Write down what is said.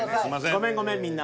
ごめんごめんみんな。